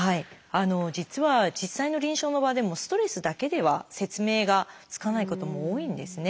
実は実際の臨床の場でもストレスだけでは説明がつかないことも多いんですね。